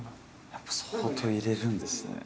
やっぱ相当入れるんですね。